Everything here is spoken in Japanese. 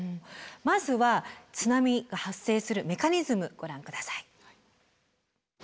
まずは津波が発生するメカニズムご覧下さい。